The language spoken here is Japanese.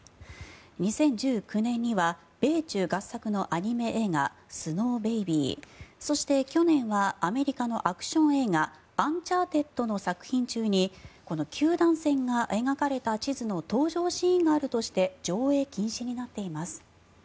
２０１９年には米中合作のアニメ映画「スノーベイビー」そして、去年はアメリカのアクション映画「アンチャーテッド」の作品中にこの九段線が描かれた地図の登場シーンがあるとして上映禁止になっています。